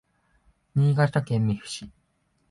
新潟県見附市